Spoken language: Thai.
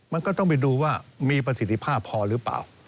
มันก็ต้องไปดูว่ามีประสิทธิภาพพอหรือเปล่า